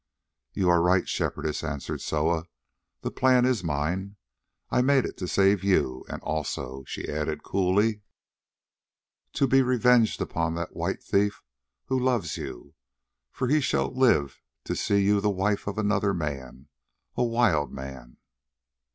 "You are right, Shepherdess," answered Soa, "the plan is mine; I made it to save you, and also," she added coolly, "to be revenged upon that white thief who loves you, for he shall live to see you the wife of another man, a wild man."